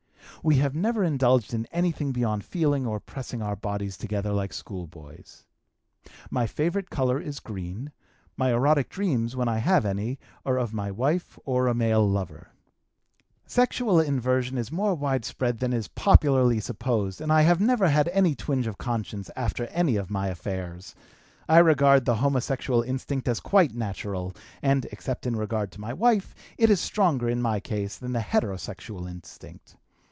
We have never indulged in anything beyond feeling or pressing our bodies together like schoolboys. "My favorite color is green. "My erotic dreams, when I have any, are of my wife or of a male lover. "Sexual inversion is more widespread than is popularly supposed and I have never had any twinge of conscience after any of my affairs. I regard the homosexual instinct as quite natural, and, except in regard to my wife, it is stronger in my case than the heterosexual instinct.